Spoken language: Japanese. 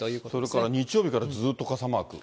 それから日曜日からずっと傘マーク。